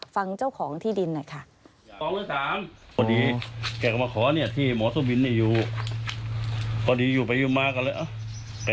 ฟังเจ้าของที่ดินหน่อยค่ะ